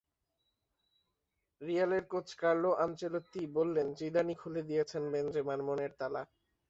রিয়ালের coach Carlo আনচেলত্তিই বললেন, জিদানই খুলে দিয়েছেন বেনজেমার মনের তালা।